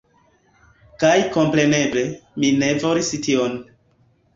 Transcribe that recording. Kaj kompreneble, mi ne volis tion.